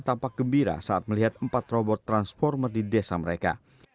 tampak gembira saat melihat empat robot transformer di desa mereka